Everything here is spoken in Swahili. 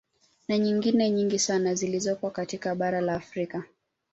Na nyingine nyingi sana zilizopo katika bara la Afrika